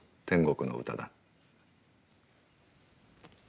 天国の詩だ。